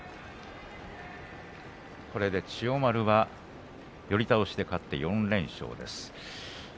これで千代丸は寄り倒しで勝って４連勝です。